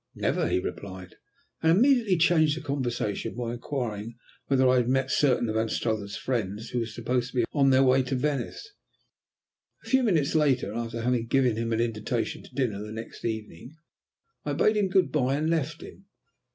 "Never," he replied, and immediately changed the conversation by inquiring whether I had met certain of Anstruther's friends who were supposed to be on their way to Venice. A few minutes later, after having given him an invitation to dinner on the next evening, I bade him good bye and left him.